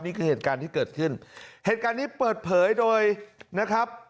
นี่คือเหตุการณ์ที่เกิดขึ้นเหตุการณ์นี้เปิดเผยโดยนะครับ